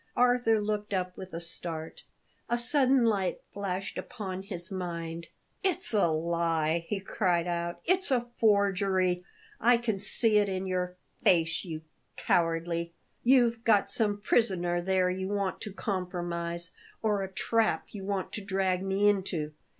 Arthur looked up with a start; a sudden light flashed upon his mind. "It's a lie!" he cried out. "It's a forgery! I can see it in your face, you cowardly You've got some prisoner there you want to compromise, or a trap you want to drag me into.